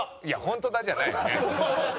いや「本当だ」じゃないよね。